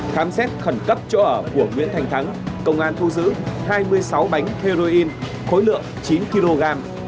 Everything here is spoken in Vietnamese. khám xét khẩn cấp chỗ ở của nguyễn thành thắng công an thu giữ hai mươi sáu bánh heroin khối lượng chín kg